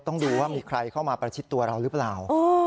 ต้องดูว่ามีใครเข้ามาประชิดตัวเราหรือเปล่า